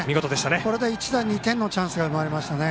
これで一打２点のチャンスが生まれましたね。